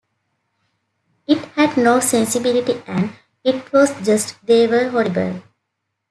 It had no sensibility and it was just...they were horrible.